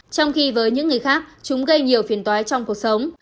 trong khi với những người khác chúng gây nhiều phiền toái trong cuộc sống